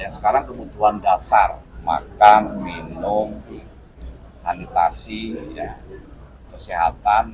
sekarang kebutuhan dasar makan minum sanitasi kesehatan